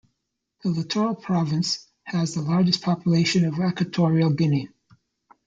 The Litoral Province has the largest population of Equatorial Guinea.